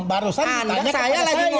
bukan barusan ditanya kepada saya